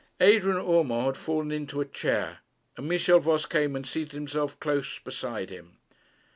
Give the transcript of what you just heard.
Adrian Urmand had fallen into a chair, and Michel Voss came and seated himself close beside him.